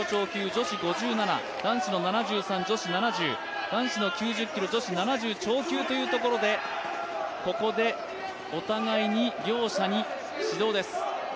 女子５７、男子の７３、女子の７０、男子の９０キロ女子の７０キロ超級というところでここでお互いに、両者に指導です。